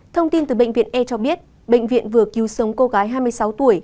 thông tin từ bệnh viện e cho biết bệnh viện vừa cứu sống cô gái hai mươi sáu tuổi